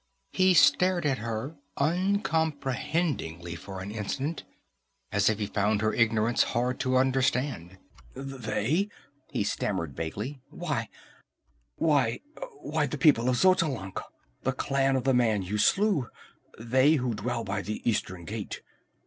He stared at her uncomprehendingly for an instant, as if he found her ignorance hard to understand. "They?" he stammered vaguely. "Why why, the people of Xotalanc! The clan of the man you slew. They who dwell by the eastern gate."